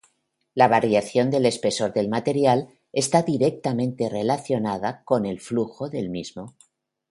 La variación de espesor del material está directamente relacionada con el flujo del mismo.